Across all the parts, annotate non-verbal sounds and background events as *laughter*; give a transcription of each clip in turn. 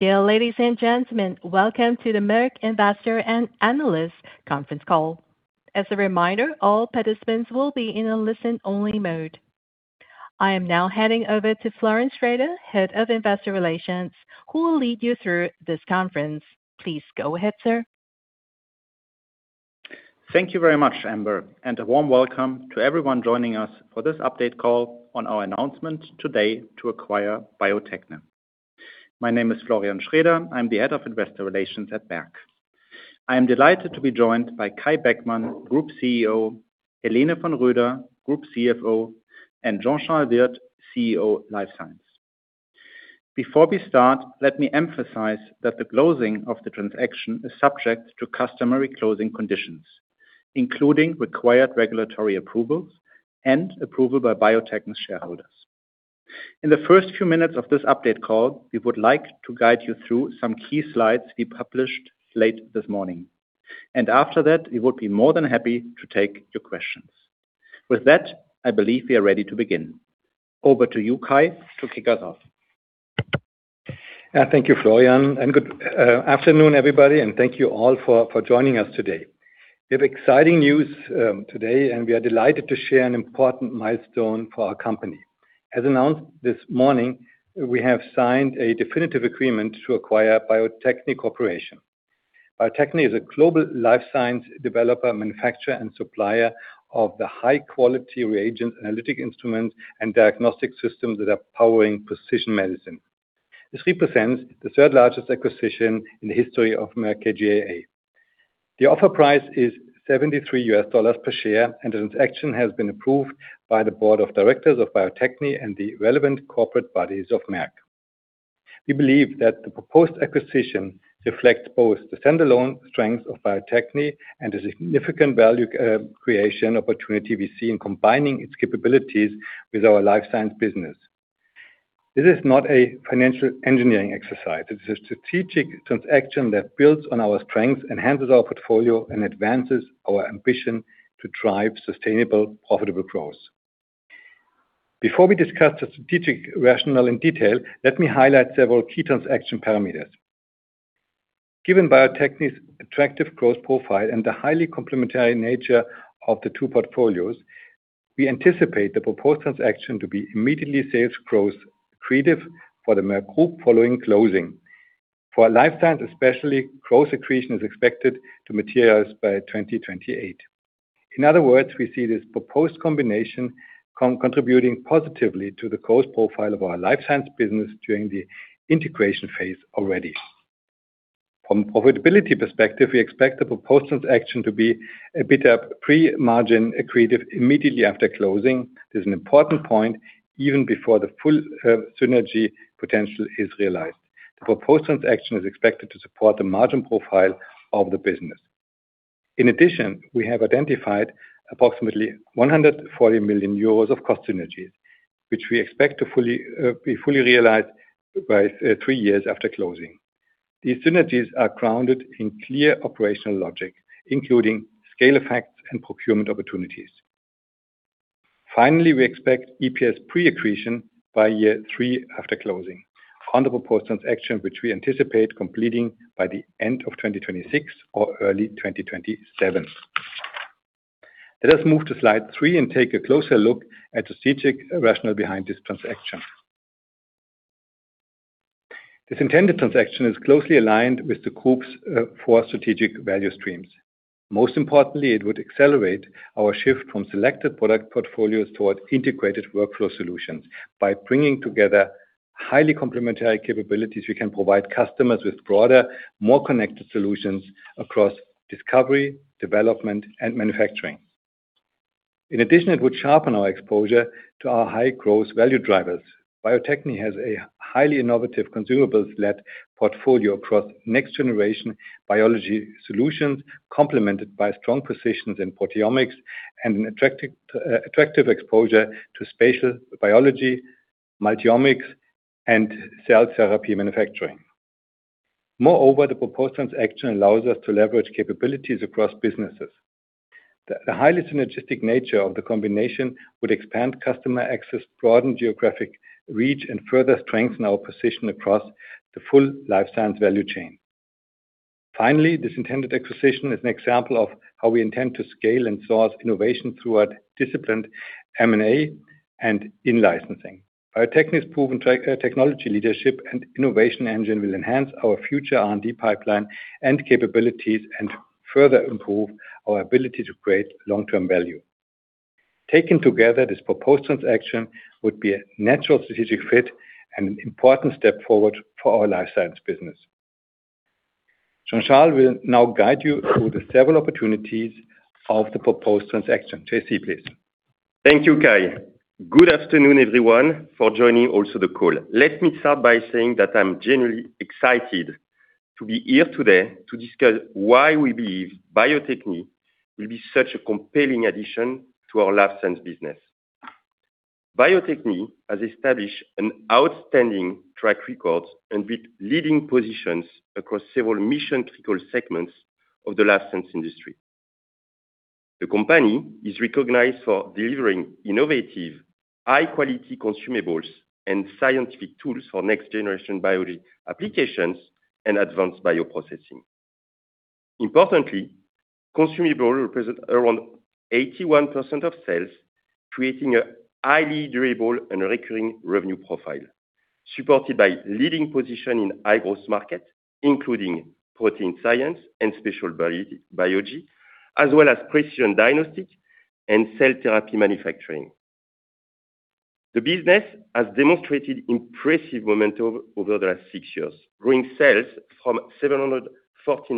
Dear ladies and gentlemen, welcome to the Merck Investor and Analyst Conference Call. As a reminder, all participants will be in a listen-only mode. I am now heading over to Florian Schraeder, Head of Investor Relations, who will lead you through this conference. Please go ahead, sir. Thank you very much, Amber, and a warm welcome to everyone joining us for this update call on our announcement today to acquire Bio-Techne. My name is Florian Schraeder. I'm the Head of Investor Relations at Merck. I am delighted to be joined by Kai Beckmann, Group CEO, Helene von Roeder, Group CFO, and Jean-Charles Wirth, CEO, Life Science. Before we start, let me emphasize that the closing of the transaction is subject to customary closing conditions, including required regulatory approvals and approval by Bio-Techne shareholders. In the first few minutes of this update call, we would like to guide you through some key slides we published late this morning. After that, we would be more than happy to take your questions. With that, I believe we are ready to begin. Over to you, Kai, to kick us off. Thank you, Florian. Good afternoon, everybody, and thank you all for joining us today. We have exciting news today. We are delighted to share an important milestone for our company. As announced this morning, we have signed a definitive agreement to acquire Bio-Techne Corporation. Bio-Techne is a global life science developer, manufacturer, and supplier of the high-quality reagent analytical instruments and diagnostic systems that are powering precision medicine. This represents the third-largest acquisition in the history of Merck KGaA. The offer price is $73 per share, and the transaction has been approved by the Board of Directors of Bio-Techne and the relevant corporate bodies of Merck. We believe that the proposed acquisition reflects both the standalone strength of Bio-Techne and the significant value creation opportunity we see in combining its capabilities with our life science business. This is not a financial engineering exercise. It's a strategic transaction that builds on our strengths, enhances our portfolio, and advances our ambition to drive sustainable, profitable growth. Before we discuss the strategic rationale in detail, let me highlight several key transaction parameters. Given Bio-Techne's attractive growth profile and the highly complementary nature of the two portfolios, we anticipate the proposed transaction to be immediately sales growth accretive for the Merck Group following closing. For Life Science especially, growth accretion is expected to materialize by 2028. In other words, we see this proposed combination contributing positively to the growth profile of our Life Science business during the integration phase already. From a profitability perspective, we expect the proposed transaction to be EBITDA pre-margin accretive immediately after closing. This is an important point, even before the full synergy potential is realized. The proposed transaction is expected to support the margin profile of the business. In addition, we have identified approximately 140 million euros of cost synergies, which we expect to be fully realized by three years after closing. These synergies are grounded in clear operational logic, including scale effects and procurement opportunities. We expect EPS pre-accretion by year three after closing on the proposed transaction, which we anticipate completing by the end of 2026 or early 2027. Let us move to slide three and take a closer look at the strategic rationale behind this transaction. This intended transaction is closely aligned with the group's four strategic value streams. Most importantly, it would accelerate our shift from selected product portfolios towards integrated workflow solutions. By bringing together highly complementary capabilities, we can provide customers with broader, more connected solutions across discovery, development, and manufacturing. In addition, it would sharpen our exposure to our high-growth value drivers. Bio-Techne has a highly innovative consumables-led portfolio across next-generation biology solutions, complemented by strong positions in proteomics and an attractive exposure to spatial biology, multi-omics, and cell therapy manufacturing. The proposed transaction allows us to leverage capabilities across businesses. The highly synergistic nature of the combination would expand customer access, broaden geographic reach, and further strengthen our position across the full Life Science value chain. This intended acquisition is an example of how we intend to scale and source innovation throughout disciplined M&A and in-licensing. Bio-Techne's proven technology leadership and innovation engine will enhance our future R&D pipeline and capabilities and further improve our ability to create long-term value. Taken together, this proposed transaction would be a natural strategic fit and an important step forward for our Life Science business. Jean-Charles will now guide you through the several opportunities of the proposed transaction. J.C., please. Thank you, Kai. Good afternoon, everyone, for joining also the call. Let me start by saying that I am genuinely excited to be here today to discuss why we believe Bio-Techne will be such a compelling addition to our Life Science business. Bio-Techne has established an outstanding track record and with leading positions across several mission-critical segments of the Life Science industry. The company is recognized for delivering innovative, high-quality consumables and scientific tools for next-generation biology applications and advanced bioprocessing. Importantly, consumable represents around 81% of sales, creating a highly durable and recurring revenue profile, supported by leading position in high-growth markets, including protein science and spatial biology, as well as precision diagnostics and cell therapy manufacturing. The business has demonstrated impressive momentum over the last six years, growing sales from $714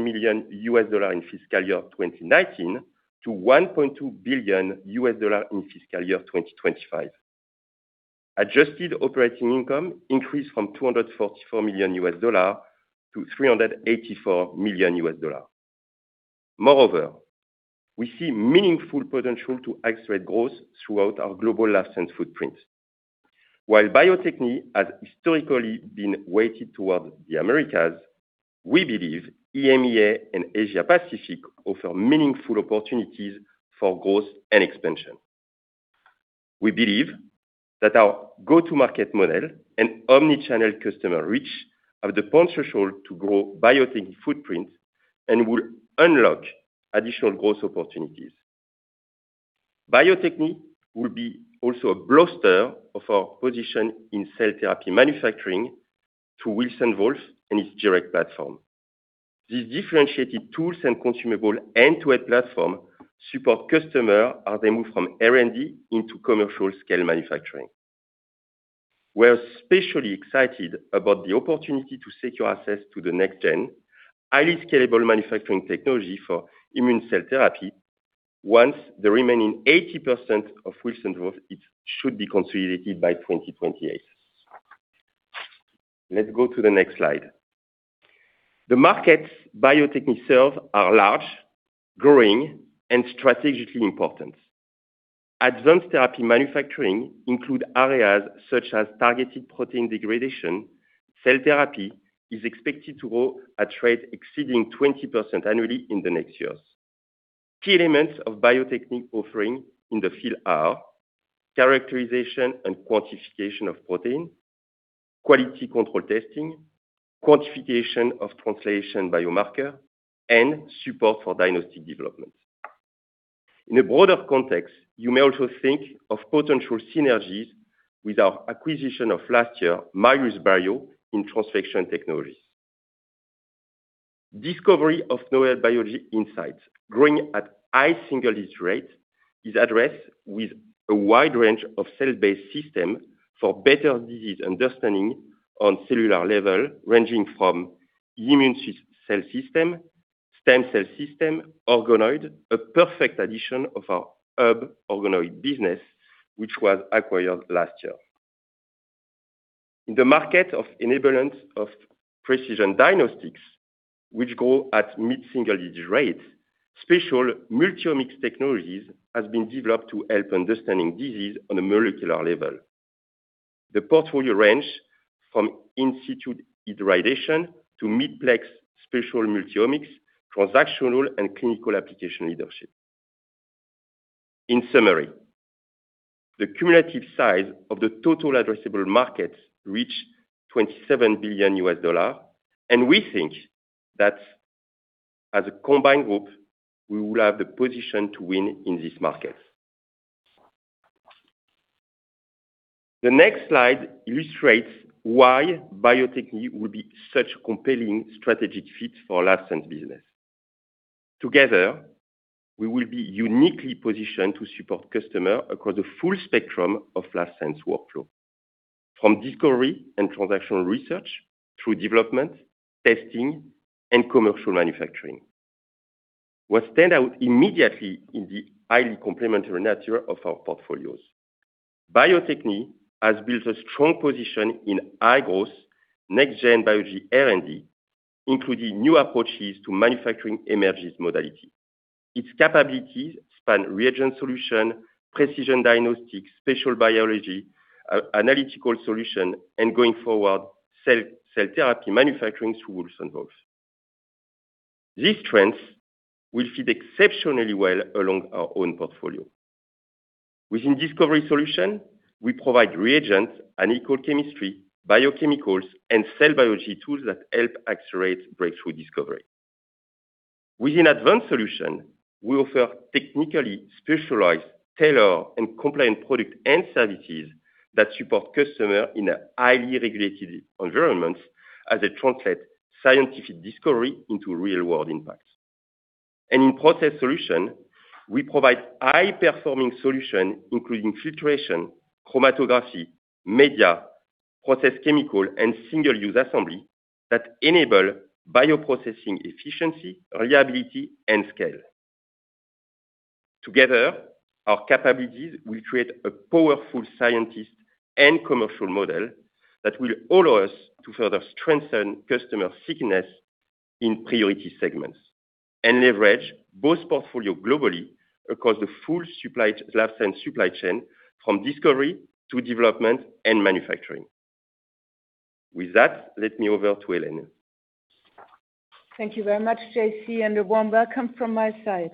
million in FY 2019 to $1.2 billion in FY 2025. Adjusted operating income increased from $244 million-$384 million. We see meaningful potential to accelerate growth throughout our global Life Science footprint. While Bio-Techne has historically been weighted towards the Americas, we believe EMEA and Asia-Pacific offer meaningful opportunities for growth and expansion. We believe that our go-to-market model and omni-channel customer reach have the potential to grow Bio-Techne footprint and will unlock additional growth opportunities. Bio-Techne will be also a bolster of our position in cell therapy manufacturing through Wilson Wolf and its G-Rex platform. These differentiated tools and consumable end-to-end platform support customer as they move from R&D into commercial scale manufacturing. We are especially excited about the opportunity to secure access to the next-gen, highly scalable manufacturing technology for immune cell therapy once the remaining 80% of Wilson Wolf should be consolidated by 2028. Let's go to the next slide. The markets Bio-Techne serves are large, growing, and strategically important. Advanced therapy manufacturing include areas such as targeted protein degradation. Cell therapy is expected to grow at rate exceeding 20% annually in the next years. Key elements of Bio-Techne offering in the field are characterization and quantification of protein, quality control testing, quantification of translational biomarker, and support for diagnostic development. In a broader context, you may also think of potential synergies with our acquisition of last year, Mirus Bio, in transfection technologies. Discovery of novel biology insights, growing at high single-digit rate, is addressed with a wide range of cell-based system for better disease understanding on cellular level, ranging from immune cell system, stem cell system, organoid, a perfect addition of our HUB Organoids business, which was acquired last year. In the market of enabling of precision diagnostics, which grow at mid single-digit rates, spatial multi-omics technologies has been developed to help understanding disease on a molecular level. The portfolio range from in situ hybridization to multiplex spatial multi-omics, translational and clinical application leadership. In summary, the cumulative size of the total addressable markets reach $27 billion, we think that as a combined group, we will have the position to win in this market. The next slide illustrates why Bio-Techne would be such a compelling strategic fit for Life Science business. Together, we will be uniquely positioned to support customer across the full spectrum of Life Science workflow, from discovery and translational research through development, testing, and commercial manufacturing. What stand out immediately in the highly complementary nature of our portfolios. Bio-Techne has built a strong position in high-growth next-gen biology R&D, including new approaches to manufacturing emerging modality. Its capabilities span reagent solution, precision diagnostics, spatial biology, analytical solution, and going forward, cell therapy manufacturing through Wilson Wolf. These trends will fit exceptionally well along our own portfolio. Within discovery solution, we provide reagents, analytical chemistry, biochemicals, and cell biology tools that help accelerate breakthrough discovery. Within Advanced Solutions, we offer technically specialized, tailored, and compliant product and services that support customer in a highly regulated environment as they translate scientific discovery into real-world impact. In Process Solutions, we provide high-performing solution, including filtration, chromatography, media, process chemical, and single-use assembly that enable bioprocessing efficiency, reliability, and scale. Together, our capabilities will create a powerful scientist and commercial model that will allow us to further strengthen customer thickness in priority segments and leverage both portfolio globally across the full Life Science supply chain, from discovery to development and manufacturing. With that, let me over to Helene. Thank you very much, J.C., and a warm welcome from my side.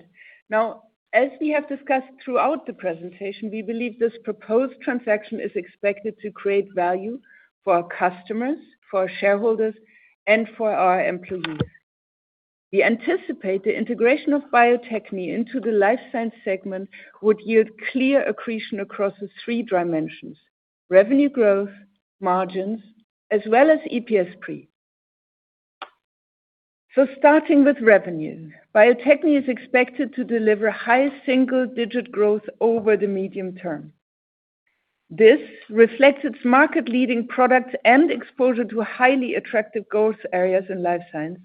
As we have discussed throughout the presentation, we believe this proposed transaction is expected to create value for our customers, for our shareholders, and for our employees. We anticipate the integration of Bio-Techne into the Life Science segment would yield clear accretion across the three dimensions; revenue growth, margins, as well as EPS pre. Starting with revenue, Bio-Techne is expected to deliver high single-digit growth over the medium term. This reflects its market leading products and exposure to highly attractive growth areas in Life Science,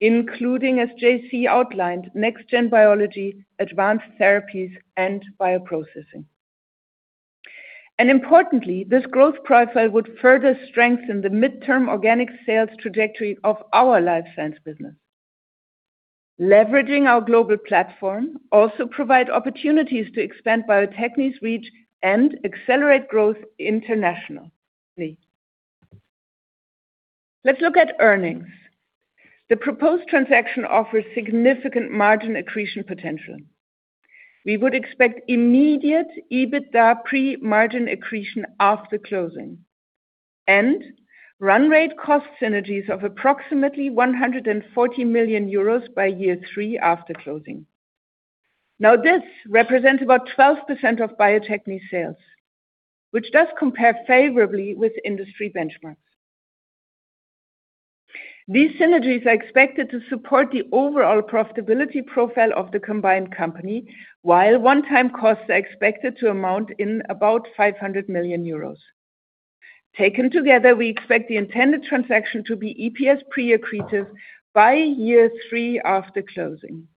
including, as J.C. outlined, next-gen biology, advanced therapies, and bioprocessing. Importantly, this growth profile would further strengthen the midterm organic sales trajectory of our Life Science business. Leveraging our global platform also provide opportunities to expand Bio-Techne's reach and accelerate growth internationally. Let's look at earnings. The proposed transaction offers significant margin accretion potential. We would expect immediate EBITDA pre-margin accretion after closing, and run rate cost synergies of approximately 140 million euros by year three after closing. This represents about 12% of Bio-Techne sales, which does compare favorably with industry benchmarks. These synergies are expected to support the overall profitability profile of the combined company, while one-time costs are expected to amount in about 500 million euros. Taken together, we expect the intended transaction to be EPS pre-accretive by year three after closing.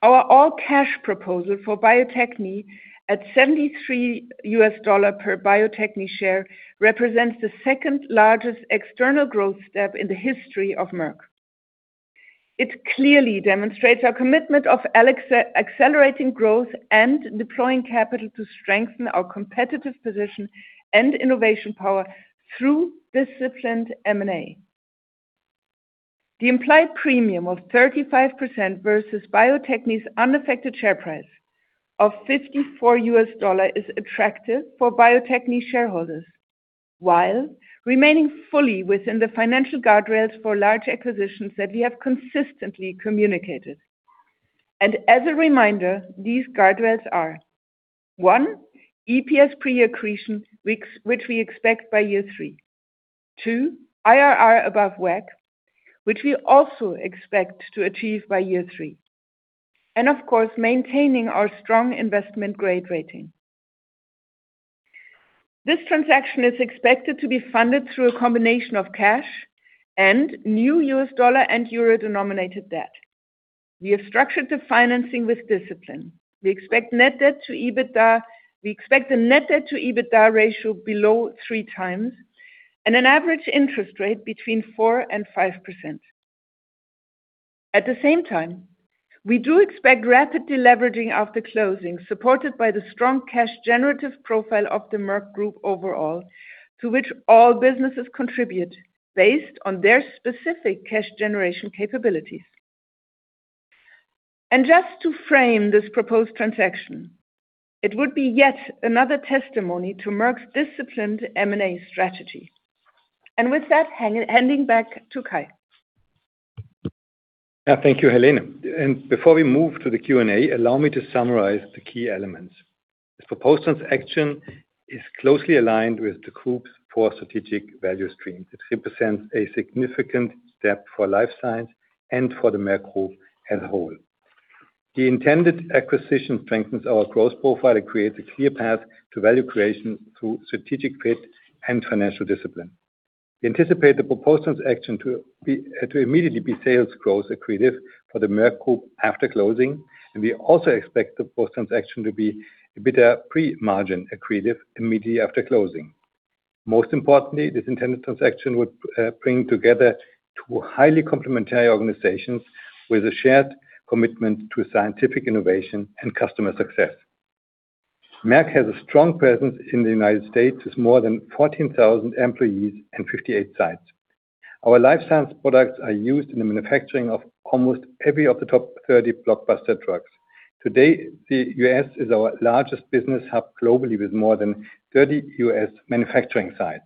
Our all cash proposal for Bio-Techne at $73 per Bio-Techne share represents the second-largest external growth step in the history of Merck. It clearly demonstrates our commitment of accelerating growth and deploying capital to strengthen our competitive position and innovation power through disciplined M&A. The implied premium of 35% versus Bio-Techne's unaffected share price of $54 is attractive for Bio-Techne shareholders, while remaining fully within the financial guardrails for large acquisitions that we have consistently communicated. As a reminder, these guardrails are, one, EPS pre-accretion, which we expect by year three. Two, IRR above WACC, which we also expect to achieve by year three. Of course, maintaining our strong investment grade rating. This transaction is expected to be funded through a combination of cash and new U.S. dollar and euro-denominated debt. We have structured the financing with discipline. We expect net debt to EBITDA ratio below 3x, and an average interest rate between 4% and 5%. At the same time, we do expect rapid deleveraging after closing, supported by the strong cash generative profile of the Merck Group overall, to which all businesses contribute based on their specific cash generation capabilities. Just to frame this proposed transaction, it would be yet another testimony to Merck's disciplined M&A strategy. With that, handing back to Kai. Thank you, Helene. Before we move to the Q&A, allow me to summarize the key elements. This proposed transaction is closely aligned with the group's four strategic value streams. It represents a significant step for Life Science and for the Merck Group as a whole. The intended acquisition strengthens our growth profile. It creates a clear path to value creation through strategic fit and financial discipline. We anticipate the proposed transaction to immediately be sales growth accretive for the Merck Group after closing, and we also expect the proposed transaction to be a better pre-margin accretive immediately after closing. Most importantly, this intended transaction would bring together two highly complementary organizations with a shared commitment to scientific innovation and customer success. Merck has a strong presence in the U.S. with more than 14,000 employees and 58 sites. Our Life Science products are used in the manufacturing of almost every of the top 30 blockbuster drugs. Today, the U.S. is our largest business hub globally with more than 30 U.S. manufacturing sites.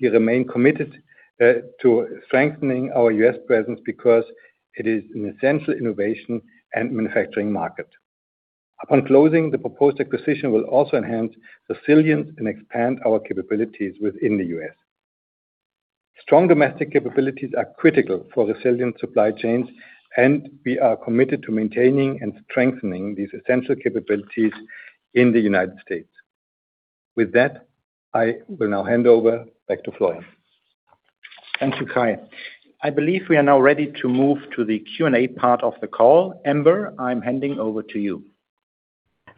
We remain committed to strengthening our U.S. presence because it is an essential innovation and manufacturing market. Upon closing, the proposed acquisition will also enhance resilience and expand our capabilities within the U.S. Strong domestic capabilities are critical for resilient supply chains, and we are committed to maintaining and strengthening these essential capabilities in the U.S. With that, I will now hand over back to Florian. Thank you, Kai. I believe we are now ready to move to the Q&A part of the call. Amber, I'm handing over to you.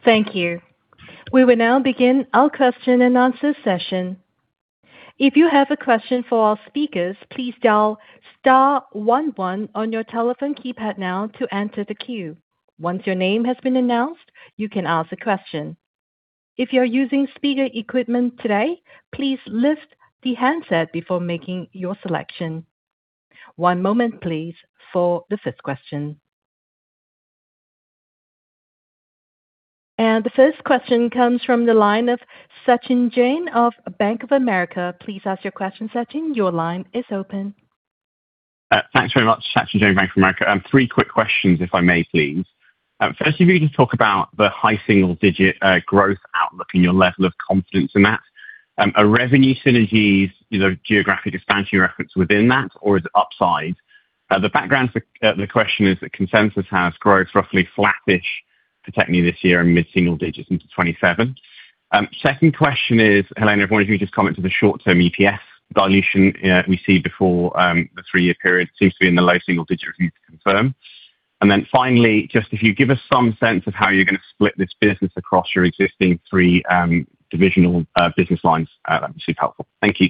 Thank you. We will now begin our question-and-answer session. If you have a question for our speakers, please dial star one one on your telephone keypad now to enter the queue. Once your name has been announced, you can ask the question. If you're using speaker equipment today, please lift the handset before making your selection. One moment please for the first question. The first question comes from the line of Sachin Jain of Bank of America. Please ask your question, Sachin. Your line is open. Thanks very much. Sachin Jain, Bank of America. Three quick questions, if I may please. Firstly, if you can just talk about the high single-digit growth outlook and your level of confidence in that. Are revenue synergies geographic expansion reference within that, or is it upside? The background to the question is that consensus has growth roughly flat-ish for Bio-Techne this year and mid-single digits into 2027. Second question is, Helene, I wonder if you could just comment to the short-term EPS dilution we see before, the three-year period seems to be in the low single digits. We need to confirm. Finally, just if you give us some sense of how you're going to split this business across your existing three divisional business lines, that would be super helpful. Thank you.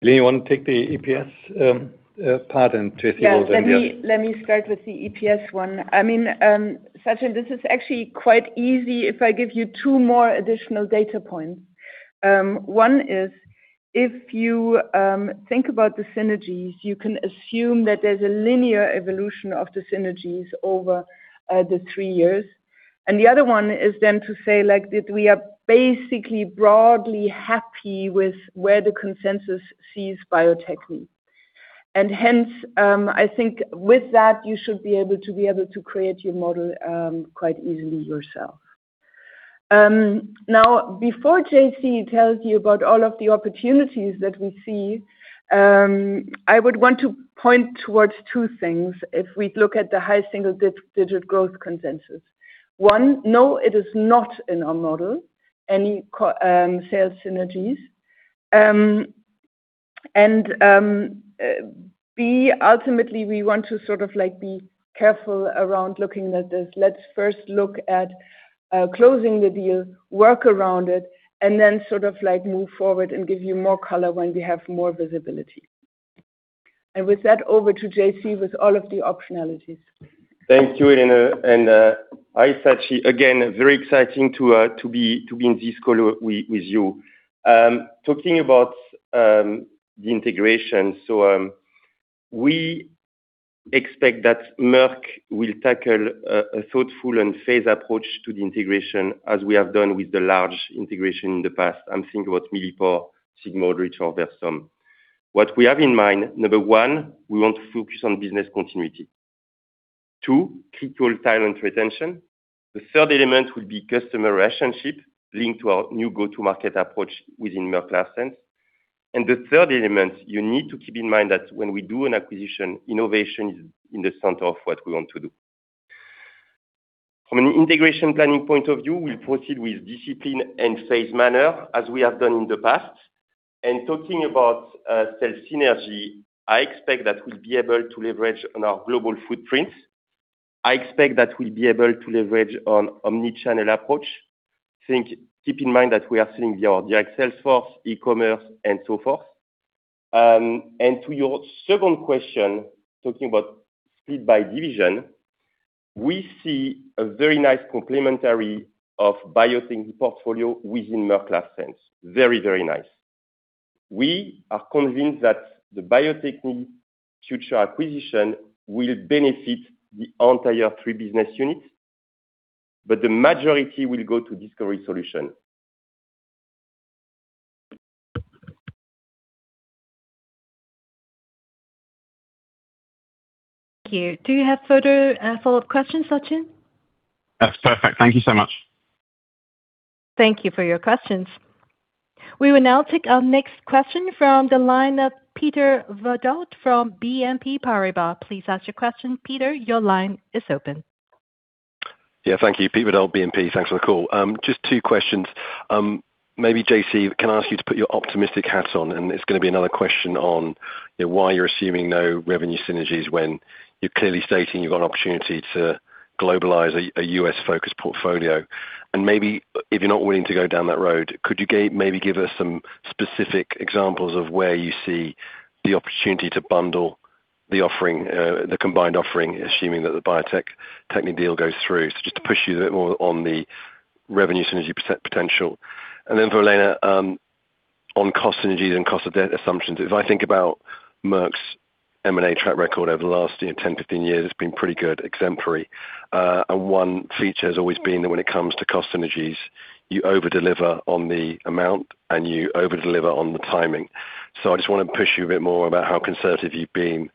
Helene, you want to take the EPS part and J.C.- Yeah. Let me start with the EPS one. Sachin, this is actually quite easy if I give you two more additional data points. One is, if you think about the synergies, you can assume that there's a linear evolution of the synergies over the three years. The other one is then to say, that we are basically broadly happy with where the consensus sees Bio-Techne. Hence, I think with that, you should be able to create your model quite easily yourself. Now, before J.C. tells you about all of the opportunities that we see, I would want to point towards two things if we look at the high single-digit growth consensus. One, no, it is not in our model, any sales synergies. B, ultimately, we want to sort of be careful around looking at this. Let's first look at closing the deal, work around it, and then sort of move forward and give you more color when we have more visibility. With that, over to J.C. with all of the optionalities. Thank you, Helene. Hi, Sachin, again, very exciting to be in this call with you. Talking about the integration. We expect that Merck will tackle a thoughtful and phased approach to the integration as we have done with the large integration in the past. I'm thinking about Millipore, Sigma-Aldrich, or Versum. What we have in mind, number one, we want to focus on business continuity. Two, keep your talent retention. The third element will be customer relationship linked to our new go-to-market approach within Merck Life Science. The third element, you need to keep in mind that when we do an acquisition, innovation is in the center of what we want to do. From an integration planning point of view, we'll proceed with discipline and phased manner as we have done in the past. Talking about sales synergy, I expect that we'll be able to leverage on our global footprints. I expect that we'll be able to leverage on omni-channel approach. Keep in mind that we are seeing our sales force, e-commerce, and so forth. To your second question, talking about speed by division, we see a very nice complementary of Bio-Techne's portfolio within Merck Life Science. Very, very nice. We are convinced that Bio-Techne and future acquisition will benefit the entire three business units, but the majority will go to Discovery Solutions. Thank you. Do you have further follow-up questions, Sachin? That's perfect. Thank you so much. Thank you for your questions. We will now take our next question from the line of Peter Verdult from BNP Paribas. Please ask your question. Peter, your line is open. Yeah. Thank you. Peter Verdult, BNP. Thanks for the call. Just two questions. Maybe J.C., can I ask you to put your optimistic hat on, and it's going to be another question on why you're assuming no revenue synergies when you're clearly stating you've got an opportunity to globalize a U.S.-focused portfolio. Maybe if you're not willing to go down that road, could you maybe give us some specific examples of where you see the opportunity to bundle the combined offering, assuming that the Bio-Techne deal goes through? Just to push you a bit more on the revenue synergy potential. Then for Helene, on cost synergies and cost of debt assumptions. If I think about Merck's M&A track record over the last 10, 15 years, it's been pretty good, exemplary. One feature has always been that when it comes to cost synergies, you over-deliver on the amount and you over-deliver on the timing. I just want to push you a bit more about how conservative you've been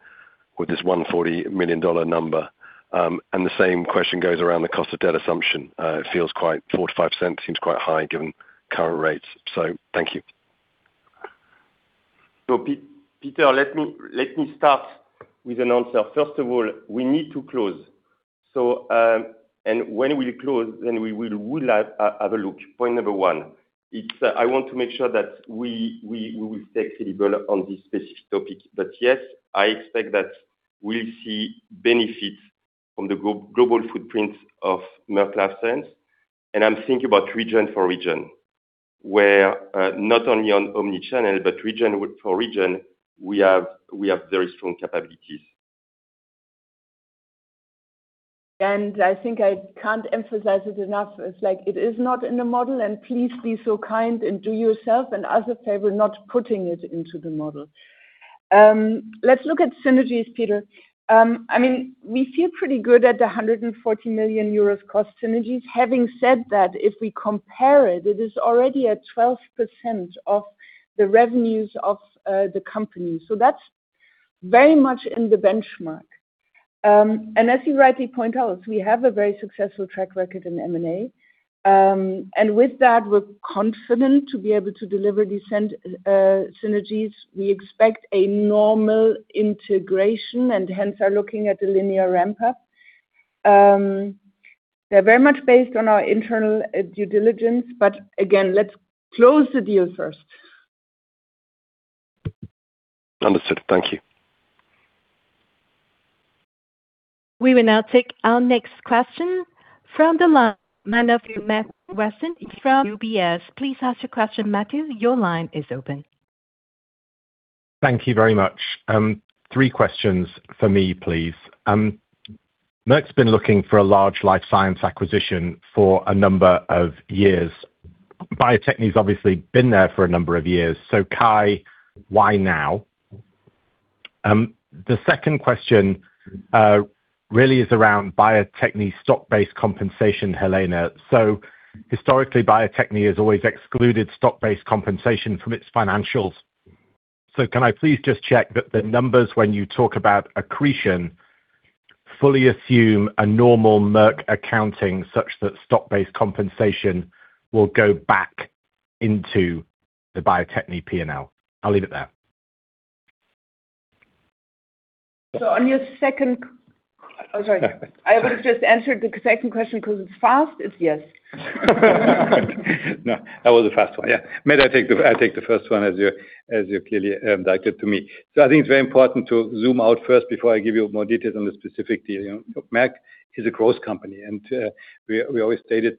with this EUR 140 million number. The same question goes around the cost of debt assumption. 4%-5% seems quite high given current rates. Thank you. Peter, let me start with an answer. First of all, we need to close. When we close, then we will have a look. Point number one, I want to make sure that we will take the development on this specific topic. Yes, I expect that we'll see benefits from the global footprint of Merck Life Science, and I'm thinking about region for region. Where not only on omni-channel, but region for region, we have very strong capabilities. I think I can't emphasize it enough. It's like it is not in the model, and please be so kind and do yourself and others a favor not putting it into the model. Let's look at synergies, Peter. We feel pretty good at the 140 million euros cost synergies. Having said that, if we compare it is already at 12% of the revenues of the company. That's very much in the benchmark. As you rightly point out, we have a very successful track record in M&A. With that, we're confident to be able to deliver these synergies. We expect a normal integration and hence are looking at a linear ramp-up. They're very much based on our internal due diligence. Again, let's close the deal first. Understood. Thank you. We will now take our next question from the line of Matthew Weston from UBS. Please ask your question, Matthew. Your line is open. Thank you very much. Three questions for me, please. Merck's been looking for a large Life Science acquisition for a number of years. Bio-Techne's obviously been there for a number of years. Kai, why now? The second question really is around Bio-Techne's stock-based compensation, Helene. Historically, Bio-Techne has always excluded stock-based compensation from its financials. Can I please just check that the numbers when you talk about accretion, fully assume a normal Merck accounting such that stock-based compensation will go back into the Bio-Techne P&L? I'll leave it there. On your second. Oh, sorry. I would have just answered the second question because it's fast. It's yes. No, that was a fast one. Matthew, I take the first one as you clearly directed to me. I think it's very important to zoom out first before I give you more details on the specific deal. Merck is a growth company. We always stated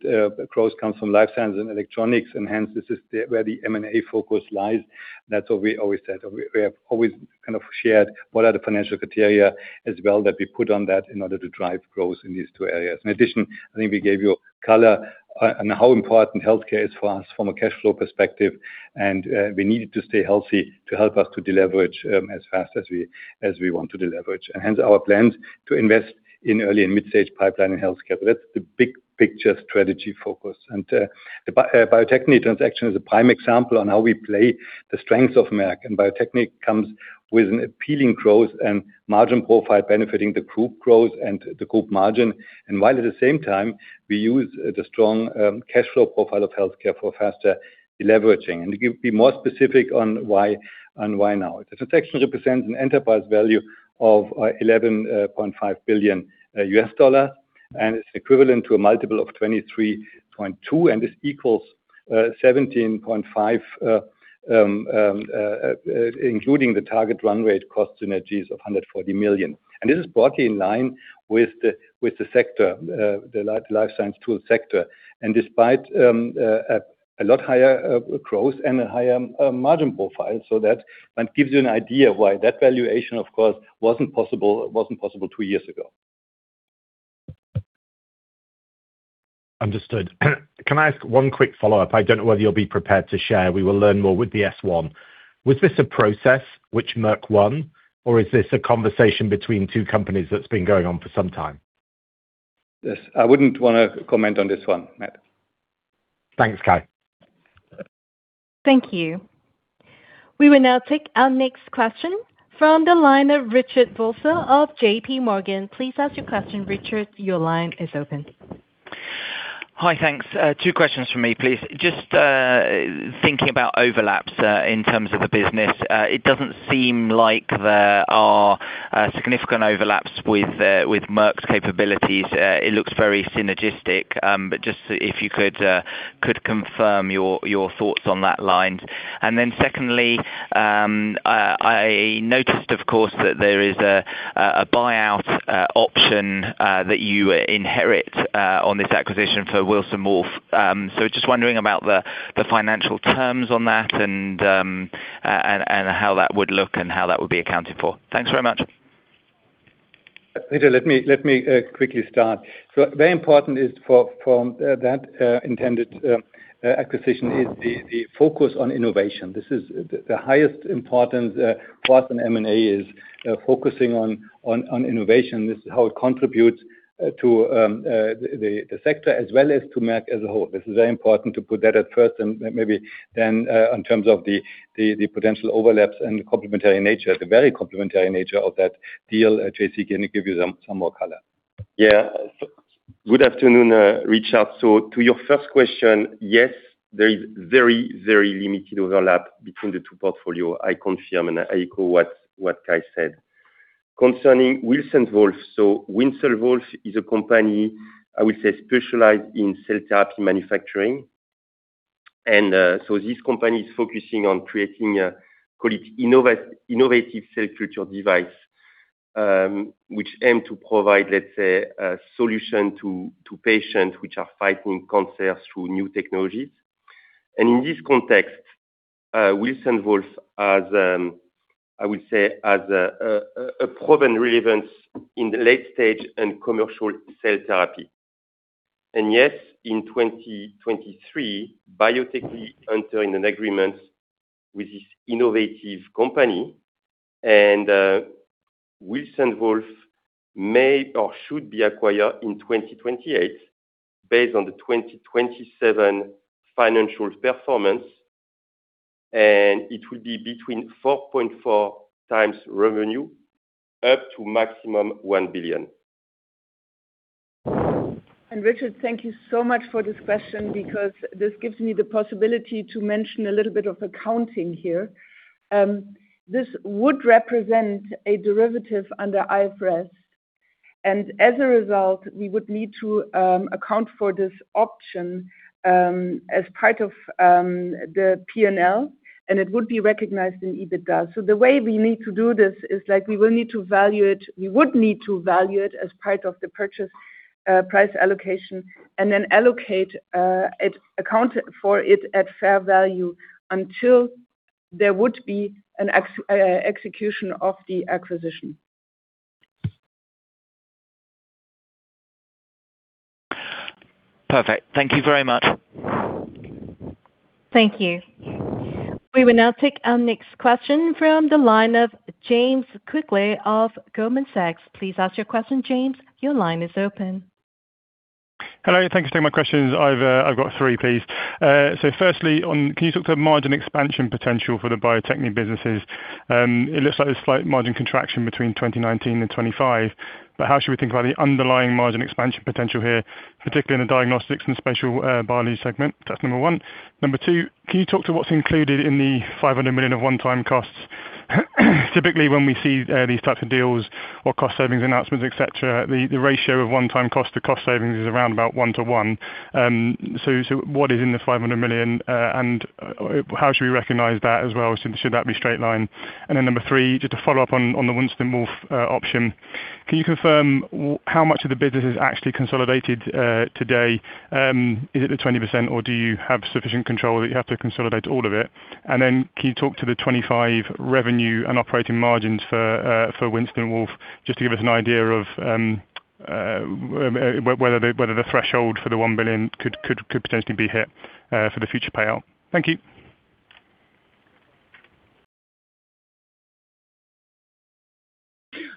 growth comes from Life Science and electronics, and hence, this is where the M&A focus lies. That's what we always said. We have always kind of shared what are the financial criteria as well that we put on that in order to drive growth in these two areas. In addition, I think we gave you color on how important healthcare is for us from a cash flow perspective, and we need it to stay healthy to help us to deleverage as fast as we want to deleverage. Hence our plans to invest in early and mid-stage pipeline in healthcare. That's the big picture strategy focus. The Bio-Techne transaction is a prime example on how we play the strengths of Merck, and Bio-Techne comes with an appealing growth and margin profile benefiting the group growth and the group margin. While at the same time, we use the strong cash flow profile of healthcare for faster deleveraging. To be more specific on why now. The transaction represents an enterprise value of $11.5 billion, and it's equivalent to a multiple of 23.2x, and this equals 17.5x, including the target run rate cost synergies of 140 million. This is broadly in line with the Life Science tool sector. Despite a lot higher growth and a higher margin profile. That gives you an idea why that valuation, of course, wasn't possible two years ago. Understood. Can I ask one quick follow-up? I don't know whether you'll be prepared to share. We will learn more with the S-1. Was this a process which Merck won, or is this a conversation between two companies that's been going on for some time? Yes. I wouldn't want to comment on this one, Matt. Thanks, Kai. Thank you. We will now take our next question from the line of Richard Vosser of JPMorgan. Please ask your question. Richard, your line is open. Hi. Thanks. Two questions from me, please. Just thinking about overlaps in terms of the business. It doesn't seem like there are significant overlaps with Merck's capabilities. It looks very synergistic. Just if you could confirm your thoughts on that line. Secondly, I noticed, of course, that there is a buyout option that you inherit on this acquisition for Wilson Wolf. Just wondering about the financial terms on that and how that would look and how that would be accounted for. Thanks very much. Richard, let me quickly start. Very important is from that intended acquisition is the focus on innovation. This is the highest importance for us in M&A is focusing on innovation. This is how it contributes to the sector as well as to Merck as a whole. This is very important to put that at first and maybe then in terms of the potential overlaps and the complementary nature, the very complementary nature of that deal. J.C., can you give you some more color? Yeah. Good afternoon, Richard. To your first question, yes, there is very, very limited overlap between the two portfolio. I confirm and I echo what Kai said. Concerning Wilson Wolf. Wilson Wolf is a company, I would say, specialized in cell therapy manufacturing. This company is focusing on creating call it innovative cell culture device Which aim to provide, let's say, a solution to patients which are fighting cancer through new technologies. In this context, Wilson Wolf has, I would say, a proven relevance in the late stage and commercial cell therapy. Yes, in 2023, Bio-Techne entered an agreement with this innovative company, and Wilson Wolf may or should be acquired in 2028 based on the 2027 financial performance, and it will be between 4.4x revenue, up to maximum 1 billion. Richard, thank you so much for this question because this gives me the possibility to mention a little bit of accounting here. This would represent a derivative under IFRS, and as a result, we would need to account for this option as part of the P&L, and it would be recognized in EBITDA. The way we need to do this is, we would need to value it as part of the purchase price allocation, account for it at fair value until there would be an execution of the acquisition. Perfect. Thank you very much. Thank you. We will now take our next question from the line of James Quigley of Goldman Sachs. Please ask your question, James. Your line is open. Hello. Thank you for taking my questions. I've got three, please. Firstly, can you talk to the margin expansion potential for the Bio-Techne businesses? It looks like there's slight margin contraction between 2019 and 2025, but how should we think about the underlying margin expansion potential here, particularly in the diagnostics and spatial biology segment? That's number one. Number two, can you talk to what's included in the 500 million of one-time costs? Typically, when we see these types of deals or cost savings announcements, etc, the ratio of one-time cost to cost savings is around about 1:1. What is in the 500 million, and how should we recognize that as well? Should that be straight line? And then number three, just to follow up on the Wilson Wolf option, can you confirm how much of the business is actually consolidated today? Is it the 20%, or do you have sufficient control that you have to consolidate all of it? Can you talk to the 2025 revenue and operating margins for Wilson Wolf, just to give us an idea of whether the threshold for the 1 billion could potentially be hit for the future payout? Thank you.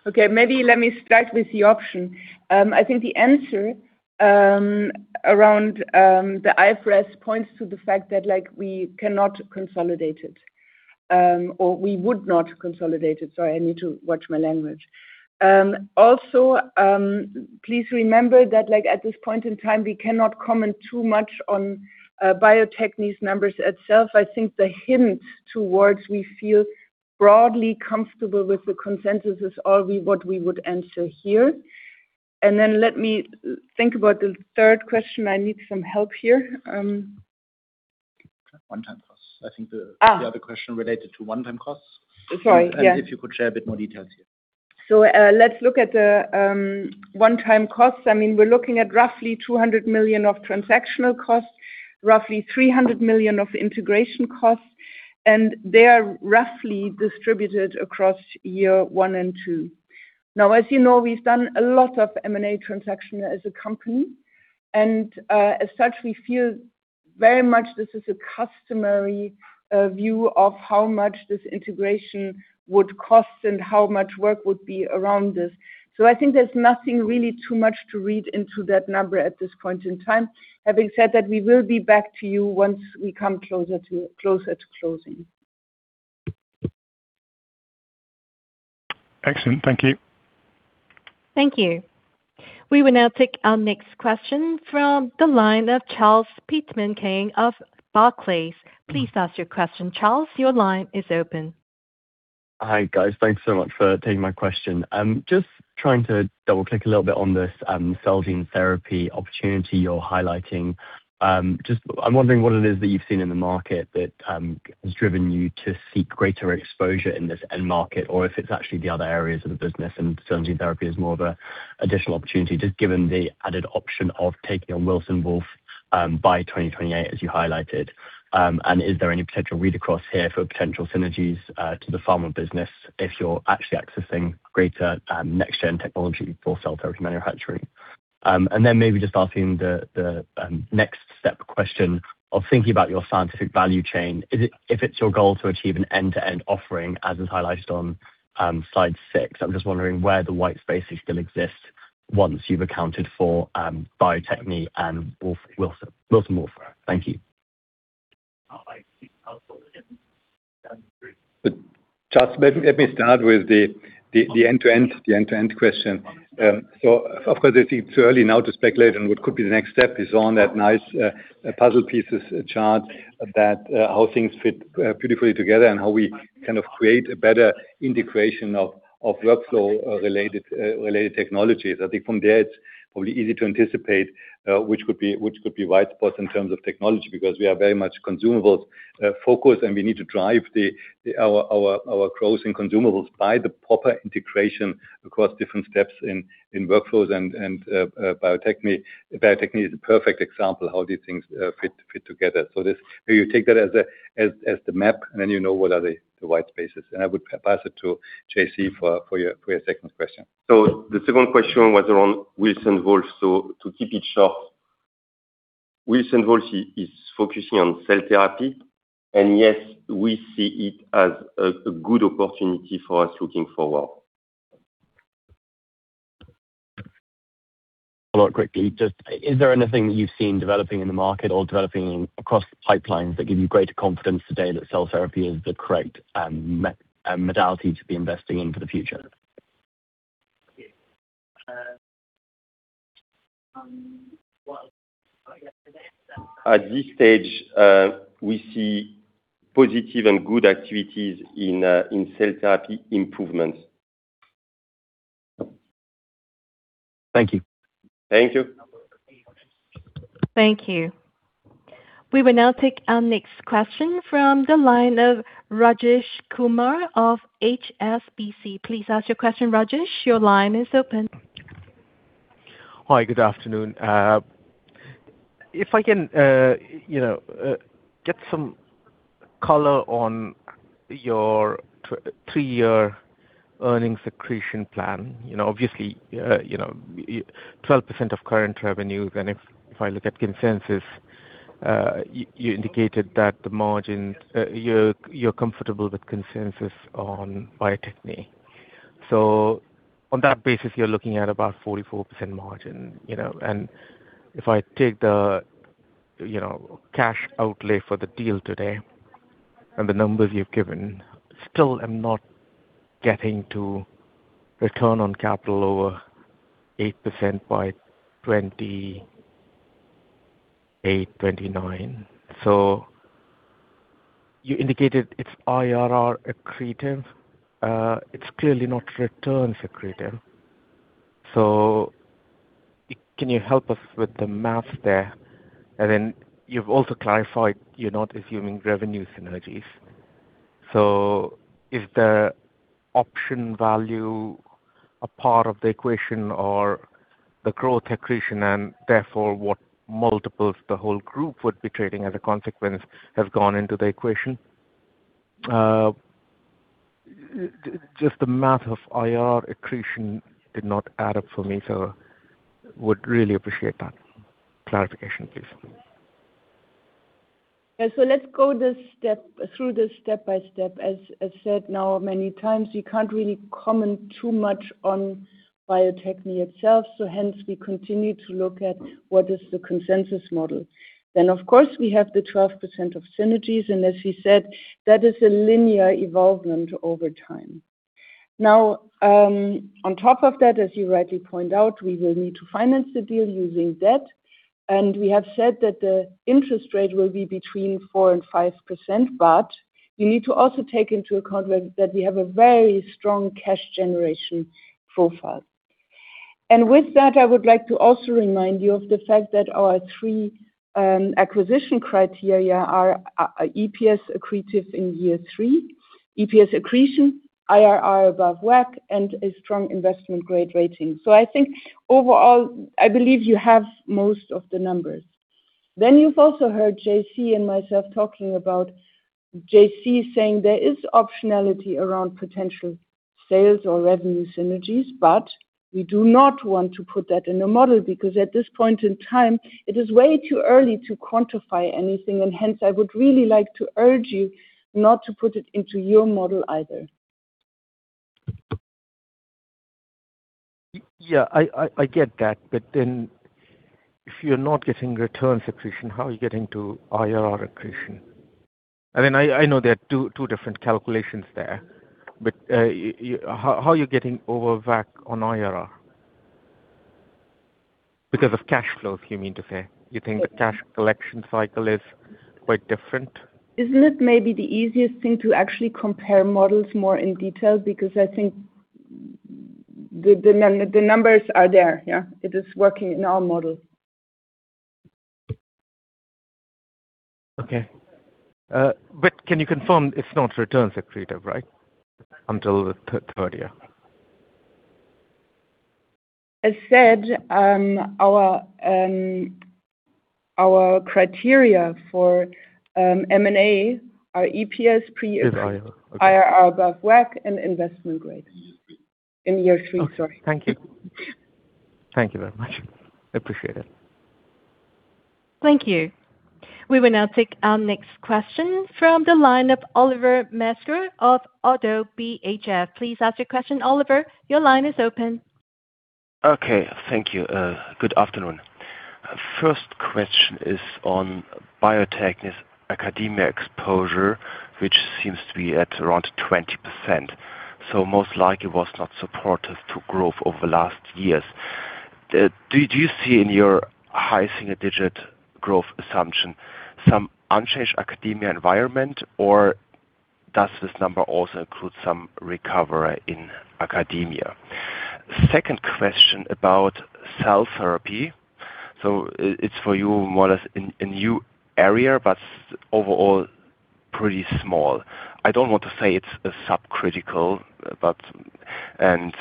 Okay, maybe let me start with the option. I think the answer around the IFRS points to the fact that we cannot consolidate it, or we would not consolidate it. Sorry, I need to watch my language. Also, please remember that at this point in time, we cannot comment too much on Bio-Techne's numbers itself. I think the hint towards we feel broadly comfortable with the consensus is all what we would answer here. Let me think about the third question. I need some help here. One-time costs. I think the other question related to one-time costs. Sorry. Yeah. If you could share a bit more details here. Let's look at the one-time costs. We're looking at roughly 200 million of translational costs, roughly 300 million of integration costs, and they are roughly distributed across year one and two. As you know, we've done a lot of M&A transaction as a company, and as such, we feel very much this is a customary view of how much this integration would cost and how much work would be around this. I think there's nothing really too much to read into that number at this point in time. Having said that, we will be back to you once we come closer to closing. Excellent. Thank you. Thank you. We will now take our next question from the line of Charles Pitman-King of Barclays. Please ask your question. Charles, your line is open. Hi, guys. Thanks so much for taking my question. Just trying to double-click a little bit on this cell and gene therapy opportunity you're highlighting. I'm wondering what it is that you've seen in the market that has driven you to seek greater exposure in this end market, or if it's actually the other areas of the business and cell and gene therapy is more of an additional opportunity, just given the added option of taking on Wilson Wolf by 2028, as you highlighted. Is there any potential read-across here for potential synergies to the pharma business if you're actually accessing greater next-gen technology for cell therapy manufacturing? Maybe just asking the next step question of thinking about your scientific value chain. If it's your goal to achieve an end-to-end offering, as is highlighted on slide six, I'm just wondering where the white spaces still exist once you've accounted for Bio-Techne and Wilson Wolf. Thank you. *audio distortion* Charles, let me start with the end-to-end question. Of course, I think it's early now to speculate on what could be the next step is on that nice puzzle pieces chart that how things fit beautifully together and how we kind of create a better integration of workflow-related technologies. I think from there, it's probably easy to anticipate which could be right spots in terms of technology, because we are very much consumable focused and we need to drive our growth in consumables by the proper integration across different steps in workflows, and Bio-Techne is a perfect example of how these things fit together. You take that as the map, and then you know what are the right spaces. I would pass it to J.C. for your second question. The second question was around Wilson Wolf. To keep it short, Wilson Wolf is focusing on cell therapy. Yes, we see it as a good opportunity for us looking forward. Follow up quickly. Just, is there anything that you've seen developing in the market or developing across pipelines that give you greater confidence today that cell therapy is the correct modality to be investing in for the future? At this stage, we see positive and good activities in cell therapy improvements. Thank you. Thank you. Thank you. We will now take our next question from the line of Rajesh Kumar of HSBC. Please ask your question, Rajesh. Your line is open. Hi, good afternoon. If I can get some color on your earnings acquisition plan, you know, obviously, 12% of current revenue. If I look at consensus, you indicated that the margin, you're comfortable with consensus on Bio-Techne. On that basis, you're looking at about 44% margin. If I take the cash outlay for the deal today and the numbers you've given, still I'm not getting to return on capital over 8% by 2028-2029. You indicated it's IRR accretive. It's clearly not return accretive. Can you help us with the math there? Then you've also clarified you're not assuming revenue synergies. Is the option value a part of the equation or the growth accretion and therefore what multiples the whole group would be trading as a consequence have gone into the equation? Just the math of IRR accretion did not add up for me. Would really appreciate that clarification, please. Yeah, let's go through this step by step. As said now many times, we can't really comment too much on Bio-Techne itself. Hence we continue to look at what is the consensus model. Of course, we have the 12% of synergies. As we said, that is a linear evolvement over time. On top of that, as you rightly point out, we will need to finance the deal using debt. We have said that the interest rate will be between 4% and 5%. You need to also take into account that we have a very strong cash generation profile. With that, I would like to also remind you of the fact that our three acquisition criteria are EPS accretive in year three, EPS accretion, IRR above WACC, and a strong investment-grade rating. I think overall, I believe you have most of the numbers. You've also heard J.C. and myself talking about, J.C. saying there is optionality around potential sales or revenue synergies, but we do not want to put that in a model because at this point in time, it is way too early to quantify anything. Hence, I would really like to urge you not to put it into your model either. Yeah, I get that. If you're not getting return accretion, how are you getting to IRR accretion? I know there are two different calculations there, but how are you getting over WACC on IRR? Because of cash flows, you mean to say? You think the cash collection cycle is quite different? Isn't it maybe the easiest thing to actually compare models more in detail? I think the numbers are there, yeah. It is working in our model. Okay. Can you confirm it's not return accretive, right? Until the third year. As said, our criteria for M&A are EPS- Is IRR. Okay. ....IRR above WACC, and investment grade. In year three, sorry. Okay. Thank you. Thank you very much. Appreciate it. Thank you. We will now take our next question from the line of Oliver Metzger of Oddo BHF. Please ask your question, Oliver. Your line is open. Okay, thank you. Good afternoon. First question is on Bio-Techne's academia exposure, which seems to be at around 20%. Most likely was not supportive to growth over last years. Do you see in your high single-digit growth assumption some unchanged academia environment, or does this number also include some recovery in academia? Second question about cell therapy. It's for you more or less a new area, but overall pretty small. I don't want to say it's a subcritical, and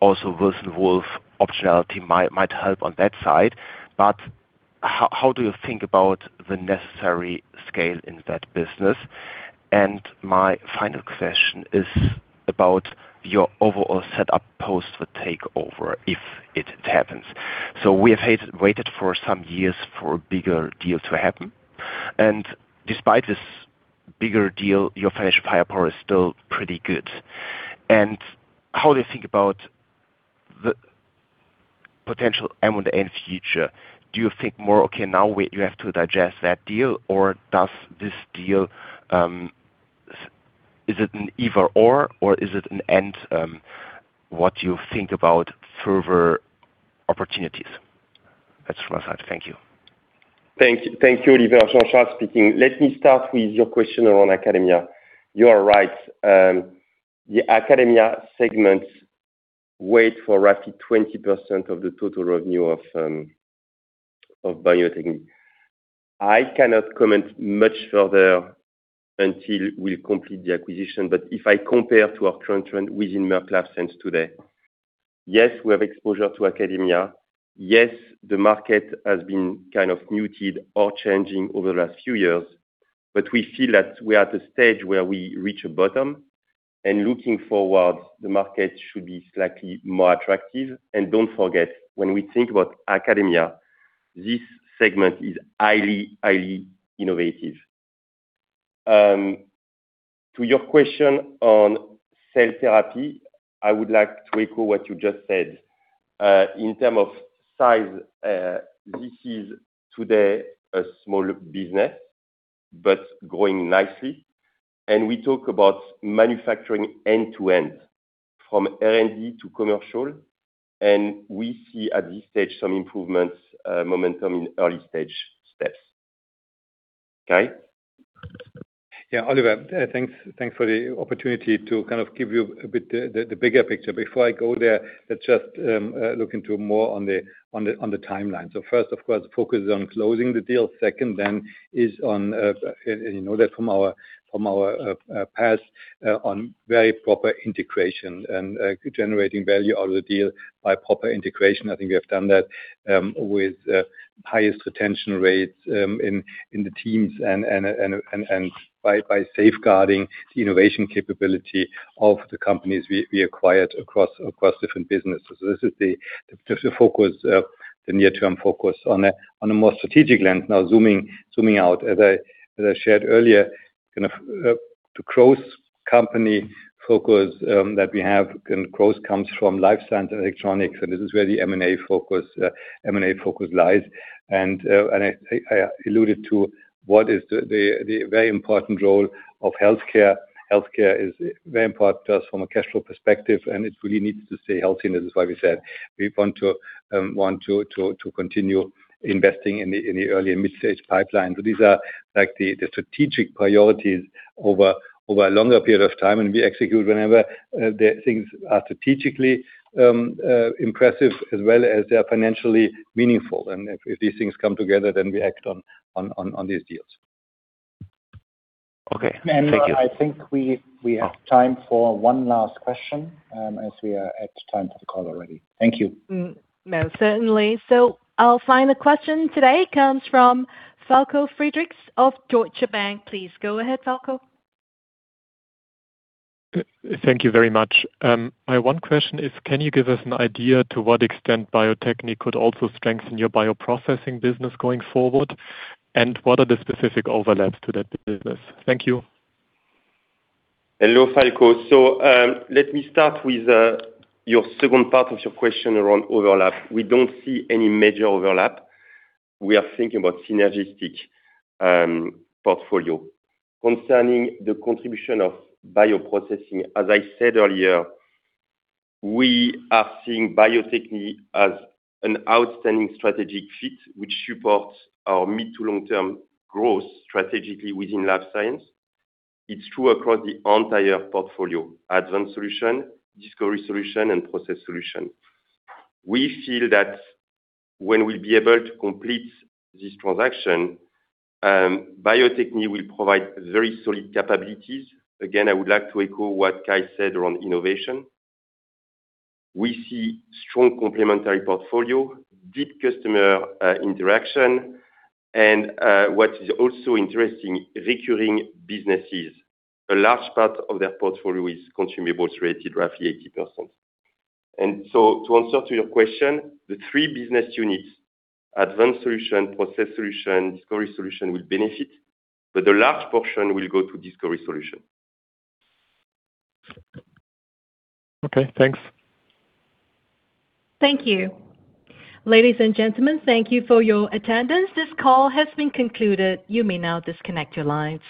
also Wilson Wolf optionality might help on that side, but how do you think about the necessary scale in that business? My final question is about your overall setup post the takeover, if it happens. We have waited for some years for a bigger deal to happen, and despite this bigger deal, your financial firepower is still pretty good. How do you think about the potential M&A in future? Do you think more, okay, now you have to digest that deal, or is it an either/or is it an and what you think about further opportunities? That's from my side. Thank you. Thank you, Oliver. Jean-Charles speaking. Let me start with your question around academia. You are right. The academia segment weigh for roughly 20% of the total revenue of Bio-Techne. I cannot comment much further until we complete the acquisition. If I compare to our current trend within Merck Life Science today, yes, we have exposure to academia. Yes, the market has been kind of muted or changing over the last few years. We feel that we are at a stage where we reach a bottom, and looking forward, the market should be slightly more attractive. Don't forget, when we think about academia, this segment is highly innovative. To your question on cell therapy, I would like to echo what you just said. In term of size, this is today a small business, but growing nicely. We talk about manufacturing end-to-end, from R&D to commercial, and we see at this stage some improvements, momentum in early stage steps. Kai? Yeah, Oliver, thanks for the opportunity to kind of give you a bit the bigger picture. Before I go there, let's just look into more on the timeline. First, of course, focus on closing the deal. Second is on, you know that from our past, on very proper integration and generating value out of the deal by proper integration. I think we have done that with highest retention rates in the teams and by safeguarding the innovation capability of the companies we acquired across different businesses. This is the near-term focus. On a more strategic lens now, zooming out. As I shared earlier, the growth company focus that we have, growth comes from Life Science and electronics, and this is where the M&A focus lies. I alluded to what is the very important role of healthcare. Healthcare is very important to us from a cash flow perspective, and it really needs to stay healthy, and this is why we said we want to continue investing in the early- and mid-stage pipeline. These are the strategic priorities over a longer period of time, and we execute whenever the things are strategically impressive as well as they're financially meaningful. If these things come together, then we act on these deals. Okay. Thank you. I think we have time for one last question as we are at time for the call already. Thank you. Certainly. Our final question today comes from Falko Friedrichs of Deutsche Bank. Please go ahead, Falko. Thank you very much. My one question is can you give us an idea to what extent Bio-Techne could also strengthen your bioprocessing business going forward? What are the specific overlaps to that business? Thank you. Hello, Falko. Let me start with your second part of your question around overlap. We don't see any major overlap. We are thinking about synergistic portfolio. Concerning the contribution of bioprocessing, as I said earlier, we are seeing Bio-Techne as an outstanding strategic fit, which supports our mid to long-term growth strategically within Life Science. It's true across the entire portfolio, Advanced Solutions, Discovery Solutions, and Process Solutions. We feel that when we will be able to complete this transaction, Bio-Techne will provide very solid capabilities. Again, I would like to echo what Kai said around innovation. We see strong complementary portfolio, deep customer interaction, and what is also interesting, recurring businesses. A large part of their portfolio is consumables-rated, roughly 80%. To answer to your question, the three business units, Advanced Solutions, Process Solutions, Discovery Solutions will benefit, but the large portion will go to Discovery Solutions. Okay, thanks. Thank you. Ladies and gentlemen, thank you for your attendance. This call has been concluded. You may now disconnect your lines.